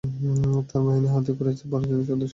তার বাহিনীর হাতে কুরাইশদের বারজন যোদ্ধা নিহত হয়েছে।